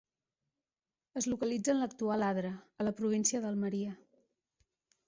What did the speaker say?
Es localitza en l'actual Adra, a la província d'Almeria.